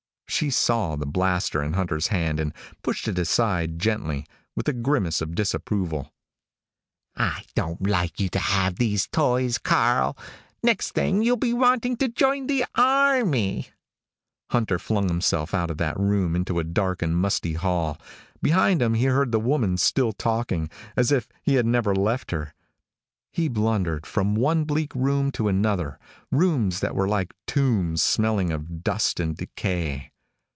She saw the blaster in Hunter's hand and pushed it aside gently, with a grimace of disapproval. "I don't like you to have these toys, Karl. Next thing, you'll be wanting to join the army." Hunter flung himself out of that room, into a dark and musty hall. Behind him he heard the woman still talking, as if he had never left her. He blundered from one bleak room to another, rooms that were like tombs smelling of dust and decay.